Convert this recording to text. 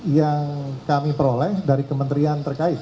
yang kami peroleh dari kementerian terkait